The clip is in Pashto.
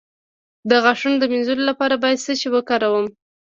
د غاښونو د مینځلو لپاره باید څه شی وکاروم؟